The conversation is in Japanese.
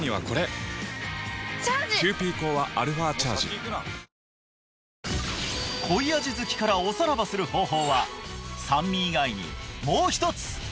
頑張りたいそういうことか濃い味好きからおさらばする方法は酸味以外にもう一つ！